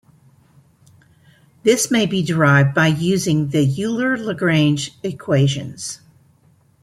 This may be derived by using the Euler-Lagrange equations.